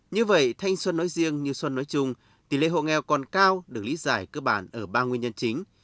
như vậy thanh xuân nói riêng như xuân nói chung tỷ lệ hộ nghèo còn cao được lý giải cơ bản ở ba nguyên nhân chính